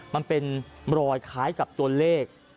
มันเป็นรอยคล้ายกับตัวเลข